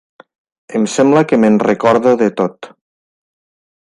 Em sembla que me'n recordo de tot.